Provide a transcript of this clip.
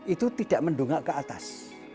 itu tidak mendungak ke atas